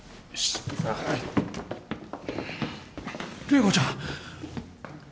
麗子ちゃん！